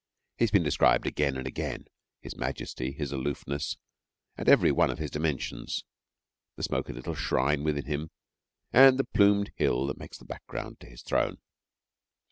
He has been described again and again his majesty, his aloofness, and every one of his dimensions, the smoky little shrine within him, and the plumed hill that makes the background to his throne.